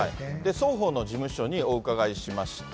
双方の事務所にお伺いしました。